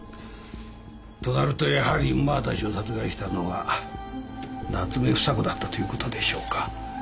となるとやはり午端氏を殺害したのは夏目房子だったということでしょうか。